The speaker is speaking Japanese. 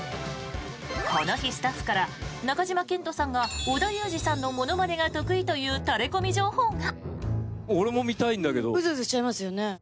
この日、スタッフから中島健人さんが織田裕二さんのものまねが得意というタレコミ情報が。